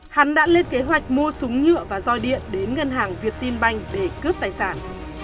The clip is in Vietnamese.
hắn đã lên kế hoạch mua súng nhựa và roi điện đến ngân hàng việt tiên banh để cướp tài sản